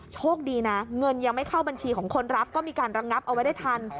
โชคดีนะเงินยังไม่เข้าบัญชีของคนรับก็มีการระงับเอาไว้ได้ทัน